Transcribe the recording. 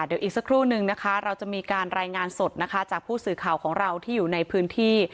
เดี๋ยวอีกสักครู่นึงนะคะเราจะมีการรายงานสดนะคะจากผู้สื่อข่าวของเราที่อยู่ในพื้นที่